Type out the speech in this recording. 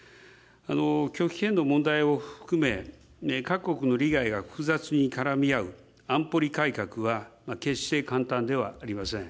拒否権の問題を含め、各国の利害が複雑に絡み合う安保理改革は、決して簡単ではありません。